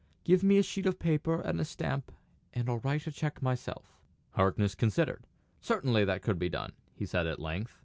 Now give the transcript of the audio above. "Give me a sheet of paper and a stamp, and I'll write a cheque myself." Harkness considered. "Certainly that could be done," he said at length.